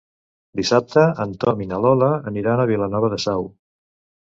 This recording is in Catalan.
Dissabte en Tom i na Lola aniran a Vilanova de Sau.